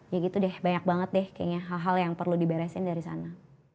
ya gitu deh banyak banget deh kayaknya hal hal yang perlu diberesin dari sana